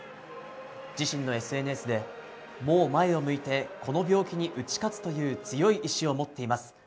自身のＳＮＳでもう前を向いて、この病気に打ち勝つという強い意志を持っています！